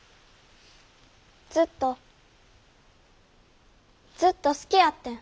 ずっとずっと好きやってん。